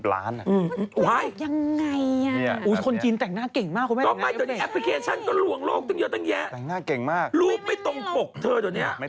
แล้วคือเขาเจอกันมั้ยเขาเจอกันมั้ย